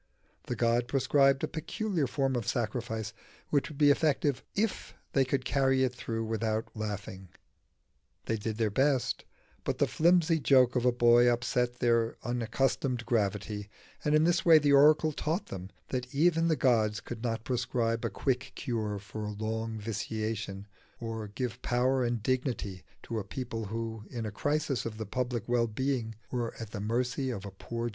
The god prescribed a peculiar form of sacrifice, which would be effective if they could carry it through without laughing. They did their best; but the flimsy joke of a boy upset their unaccustomed gravity, and in this way the oracle taught them that even the gods could not prescribe a quick cure for a long vitiation, or give power and dignity to a people who in a crisis of the public wellbeing were at the mercy of a poor jest.